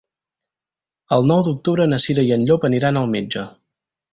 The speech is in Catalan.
El nou d'octubre na Cira i en Llop aniran al metge.